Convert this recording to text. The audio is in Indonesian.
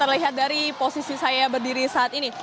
terlihat dari posisi saya berdiri saat ini